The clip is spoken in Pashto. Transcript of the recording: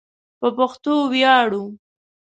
په پښتو ویاړو